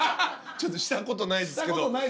ちょっとしたことないですけど。